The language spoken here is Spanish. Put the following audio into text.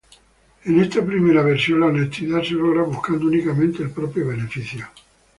En esta primera versión, la honestidad se logra buscando únicamente el propio beneficio.